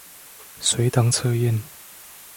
隨堂測驗